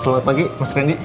selamat pagi mas rendy